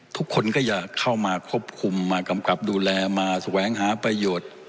ทุกคนก็อยากเข้ามาควบคุมมากำกับดูแลมาแสวงหาประโยชน์